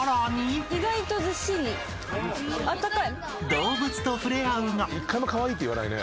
動物と触れ合うが。